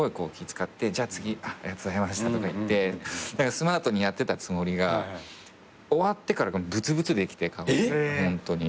使ってじゃあ次ありがとうございましたとか言ってスマートにやってたつもりが終わってからブツブツできてホントに。